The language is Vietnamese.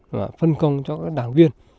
và phân công cho các đảng viên